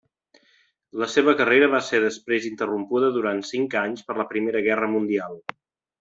La seva carrera va ser després interrompuda durant cinc anys per la Primera Guerra Mundial.